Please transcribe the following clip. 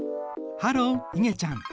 ハローいげちゃん。